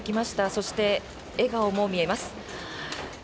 そして、笑顔も見えます。